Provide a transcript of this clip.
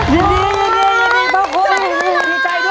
ยินดีพวกคุณ